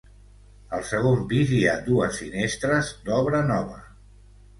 Al segon pis hi ha dues finestres d'obra nova.